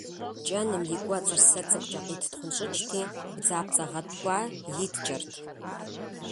КӀэным и кӀуэцӀыр сэ цӀыкӀукӀэ къиттхъунщӀыкӀти, бдзапцӀэ гъэткӀуа иткӀэрт.